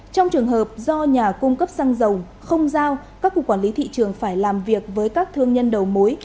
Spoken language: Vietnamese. trong trường hợp do nhà cung cấp xăng dầu không giao các cục quản lý thị trường phải làm việc với các thương nhân đầu mối